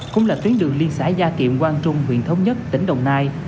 cũng là tuyến đường liên xã gia kiệm quang trung huyện thống nhất tỉnh đồng nai